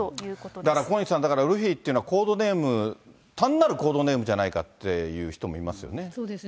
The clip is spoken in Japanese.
だから小西さん、ルフィというのはコードネーム、単なるコードネームじゃないかっていう人もいますよね。